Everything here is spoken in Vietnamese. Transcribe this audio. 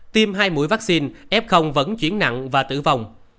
tiêm hai mũi vaccine f vẫn chuyển nặng và tử vong